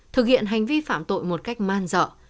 thực hiện hành vi phạm tội một cách man dở